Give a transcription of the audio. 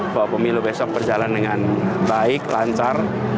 bahwa pemilu besok berjalan dengan baik lancar